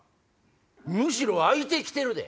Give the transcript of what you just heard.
むしろ開いて来てるで！